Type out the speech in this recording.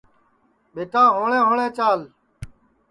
ٻیٹا ہوݪے ہوݪے چال